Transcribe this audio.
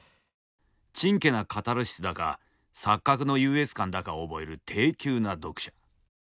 チンケなカタルシスだか錯覚の優越感だかを覚える低級な読者。